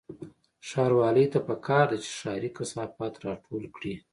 ښاروالۍ ته پکار ده چې ښاري کثافات راټول کړي